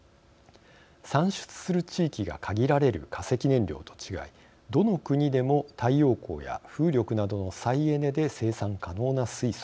産出する地域が限られる化石燃料と違いどの国でも太陽光や風力などの再エネで生産可能な水素。